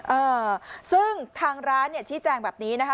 เออซึ่งทางร้านเนี่ยชี้แจงแบบนี้นะคะ